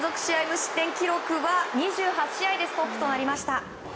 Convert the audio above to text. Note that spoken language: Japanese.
無失点記録は２８試合でストップとなりました。